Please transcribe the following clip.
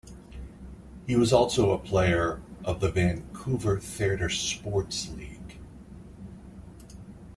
He was also a player of the Vancouver TheatreSports League.